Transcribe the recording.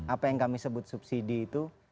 apa yang kami sebut subsidi itu